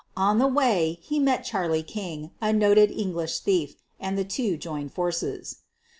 On the way he met Charley King, a noted English thief, and the two joined forces.